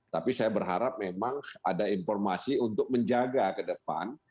tapi saya berharap memang ada informasi untuk menjaga ke depan